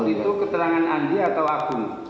itu keterangan andi atau aku